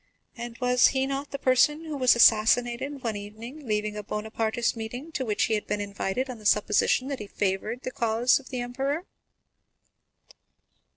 And was he not the person who was assassinated one evening on leaving a Bonapartist meeting to which he had been invited on the supposition that he favored the cause of the emperor?"